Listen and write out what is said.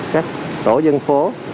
các tổ dân phố